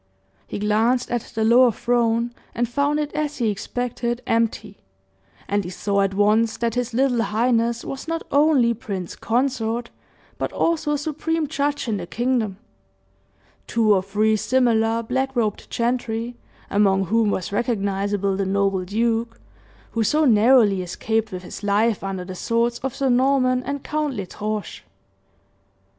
He glanced at the lower throne and found it as he expected, empty; and he saw at once that his little highness was not only prince consort, but also supreme judge in the kingdom. Two or three similar black robed gentry, among whom was recognizable the noble duke who so narrowly escaped with his life under the swords of Sir Norman and Count L'Estrange.